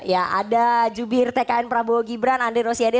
ya ada jubir tkn prabowo gibran andri rosiade